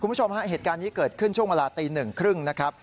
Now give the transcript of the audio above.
คุณผู้ชมเหตุการณ์นี้เกิดขึ้นช่วงเวลาตี๑๓๐นะครับ